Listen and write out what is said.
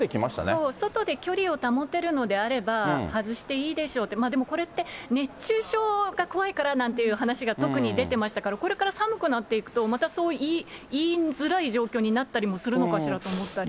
そう、外で距離を保てるのであれば、外していいでしょうって、でもこれって熱中症が怖いからなんて話が特に出てましたから、これから寒くなっていくと、またそう言いづらい状況になったりもするのかしらと思ったり。